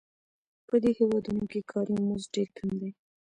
په دې هېوادونو کې کاري مزد ډېر کم دی